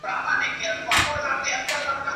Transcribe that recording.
په بې ننګۍ به درنه واخلمه لاسونه